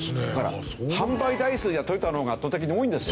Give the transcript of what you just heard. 販売台数じゃトヨタの方が圧倒的に多いんですよ？